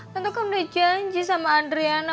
tante kan udah janji sama adriana